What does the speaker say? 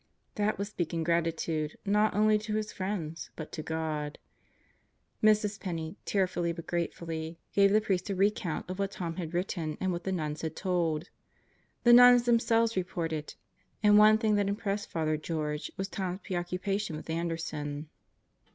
That was speaking gratitude not only to his friends, but to God. Mrs. Penney, tearfully but gratefully, gave the priest a recount of what Tom had written and what the nuns had told. The nuns themselves reported; and one thing that impressed Father George was Tom's preoccupation with Anderson.